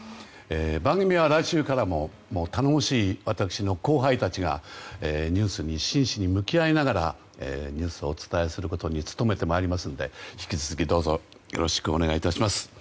番組は来週からも頼もしい私の後輩たちがニュースに真摯に向き合いながらニュースをお伝えすることに努めてまいりますので引き続き、どうぞよろしくお願いいたします。